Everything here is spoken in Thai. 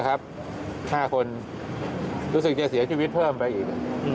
๕คนรู้สึกจะเสียชีวิตเพิ่มไปอีก